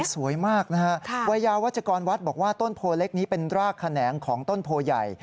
สวยมากนะฮะวัยยาวัชกรวัดบอกว่าต้นโพเล็กนี้เป็นรากแขนงของต้นโพใหญ่